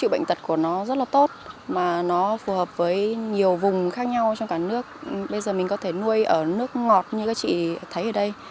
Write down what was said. bây giờ mình có thể nuôi ở nước ngọt như các chị thấy ở đây